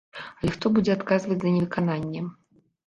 Але хто будзе адказваць за невыкананне?